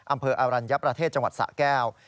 อำเภออรัญญประเทศจังหวัดสะแก้ว